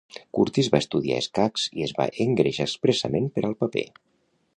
Curtis va estudiar escacs i es va engreixar expressament per al paper.